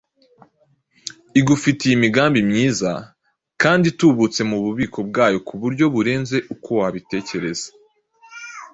Igufitiye imigambi myiza kandi itubutse mu bubiko bwayo ku buryo burenze uko wabitekereza!